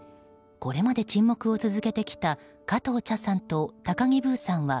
これまで沈黙を続けてきた加藤茶さんと高木ブーさんは